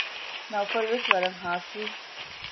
ނައުފަލުވެސް ވަރަށް ހާސްވި